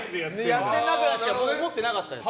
やってんなぐらいしか思ってなかったです。